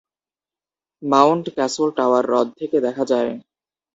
Mount Castle Tower হ্রদ থেকে দেখা যায়।